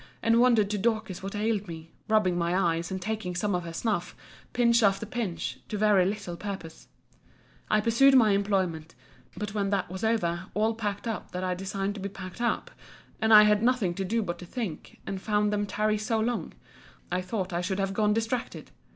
and wondered to Dorcas what ailed me, rubbing my eyes, and taking some of her snuff, pinch after pinch, to very little purpose,) I pursued my employment: but when that was over, all packed up that I designed to be packed up; and I had nothing to do but to think; and found them tarry so long; I thought I should have gone distracted.